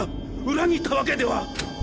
裏切ったわけでは。